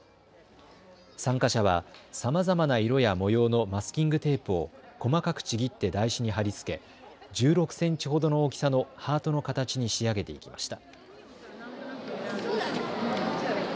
参加者はさまざまな色や模様のマスキングテープを細かくちぎって台紙に貼り付け１６センチほどの大きさのハートの形に仕上げていきました。